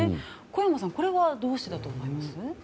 小山さんこれはどうしてだと思います？